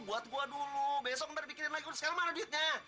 buat gue dulu besok berpikirin lagi sekarang mana duitnya